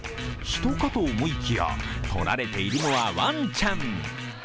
人かと思いきや撮られているのはワンちゃん。